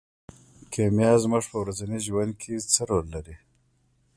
کیمیا زموږ په ورځني ژوند کې څه رول لري.